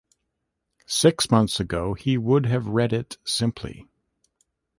Six months ago he would have read it simply.